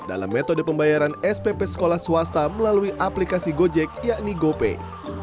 dalam metode pembayaran spp sekolah swasta melalui aplikasi gojek yakni gopay